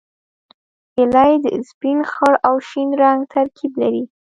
هیلۍ د سپین، خړ او شین رنګ ترکیب لري